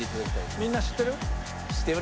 みんな知ってる？